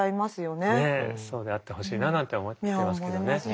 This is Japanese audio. ねえそうであってほしいななんて思ってますけどね。